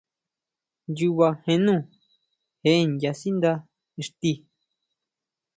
Nnyuba jénú je nyasíndá ixti.